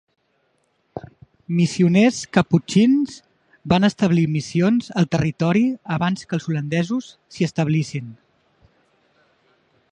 Missioners caputxins van establir missions al territori abans que els holandesos s'hi establissin.